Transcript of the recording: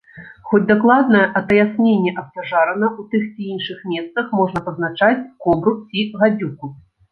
Хоць дакладнае атаясненне абцяжарана, у тых ці іншых месцах можа пазначаць кобру ці гадзюку.